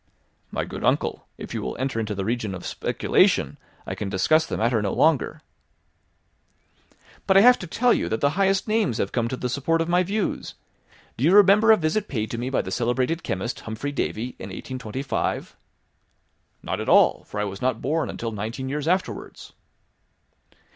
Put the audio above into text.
"My good uncle, if you will enter into the legion of speculation, I can discuss the matter no longer." "But I have to tell you that the highest names have come to the support of my views. Do you remember a visit paid to me by the celebrated chemist, Humphry Davy, in 1825?" "Not at all, for I was not born until nineteen years afterwards."